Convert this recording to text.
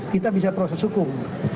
kita bisa proses hukum